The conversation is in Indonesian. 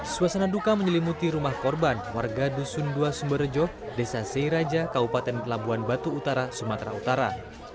suasana duka menyelimuti rumah korban warga dusun dua sumberjo desa seiraja kabupaten labuan batu utara sumatera utara